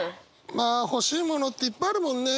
まあ欲しいものっていっぱいあるもんね。